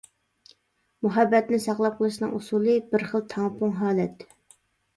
مۇھەببەتنى ساقلاپ قېلىشنىڭ ئۇسۇلى — بىر خىل تەڭپۇڭ ھالەت.